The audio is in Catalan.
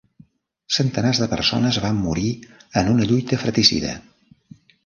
Centenars de persones van morir en una lluita fratricida.